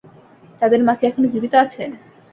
তাদের মা কি এখনো জীবিত আছে?